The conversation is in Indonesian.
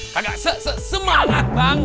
kagak semangat bang